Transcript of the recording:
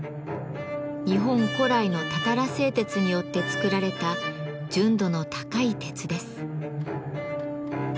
日本古来のたたら製鉄によって作られた純度の高い鉄です。